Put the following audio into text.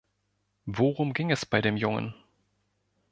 Worum ging es bei dem Jungen?